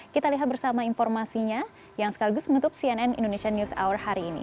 kita lihat bersama informasinya yang sekaligus menutup cnn indonesia news hour hari ini